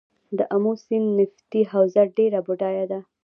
د امو سیند نفتي حوزه ډیره بډایه ده.